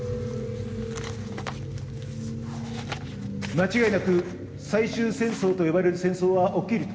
間違いなく最終戦争と呼ばれる戦争は起きると。